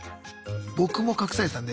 僕も隠されてたんで。